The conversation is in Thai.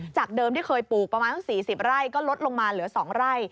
จากเดิมที่เคยปลูกประมาณสัก๔๐ไร่ก็ลดลงมาเหลือ๒ไร่